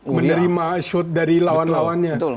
menerima shot dari lawan lawannya